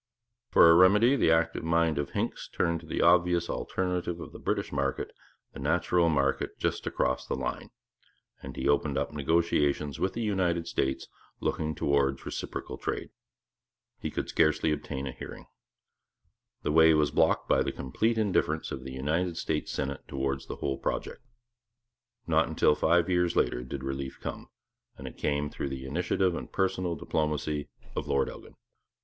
For a remedy the active mind of Hincks turned to the obvious alternative of the British market, the natural market just across the line; and he opened up negotiations with the United States looking towards reciprocal trade. He could scarcely obtain a hearing. The way was blocked by the complete indifference of the United States Senate towards the whole project. Not until five years later did relief come; and it came through the initiative and personal diplomacy of Lord Elgin.